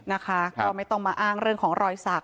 นะคะก็ไม่ต้องมาอ้างเรื่องของรอยสัก